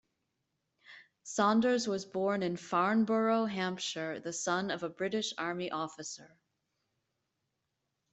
Saunders was born in Farnborough, Hampshire, the son of a British Army officer.